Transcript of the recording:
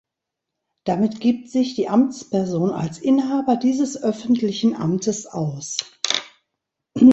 Damit gibt sich die Amtsperson als Inhaber dieses öffentlichen Amtes aus.